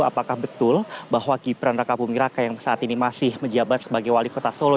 apakah betul bahwa gibran raka buming raka yang saat ini masih menjabat sebagai wali kota solo